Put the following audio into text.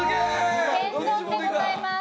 天丼でございます。